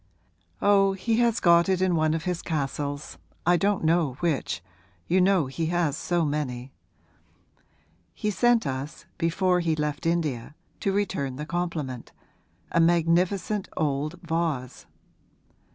'Oh, he has got it in one of his castles; I don't know which you know he has so many. He sent us, before he left India to return the compliment a magnificent old vase.'